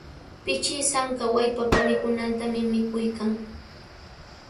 Pichisanka wallpapa mikuynintami mikuykan.